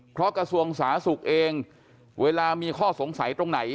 เพราะกระทรวงสาธารณสุขเองเวลามีข้อสงสัยตรงไหน